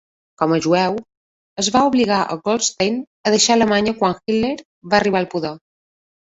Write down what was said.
Com a jueu, es va obligar a Goldstein a deixar Alemanya quan Hitler va arribar al poder.